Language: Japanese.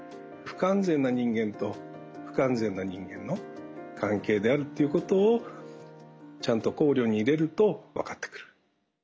不完全な人間と不完全な人間の関係であるということをちゃんと考慮に入れると分かってくる。